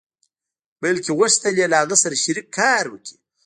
بلکې غوښتل يې له هغه سره شريک کار وکړي.